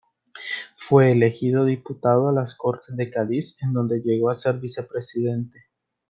Fue elegido diputado a las Cortes de Cádiz, en donde llegó a ser vicepresidente.